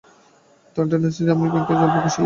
থানেট নাতিস্রি, আমি ব্যাংককের জল প্রকৌশলি।